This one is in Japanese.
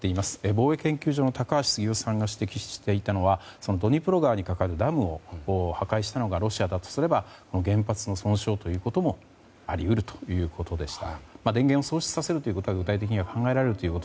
防衛研究所の高橋杉雄さんが指摘していたのはドニプロ川にかかるダムを破壊したのがロシアだとすれば原発の損傷ということもあり得るということでした。